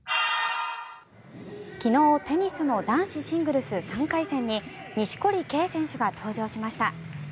昨日テニスの男子シングルス３回戦に錦織圭選手が登場しました。